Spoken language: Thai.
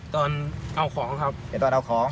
ตอนเอาของครับไอ้ตอนเอาของ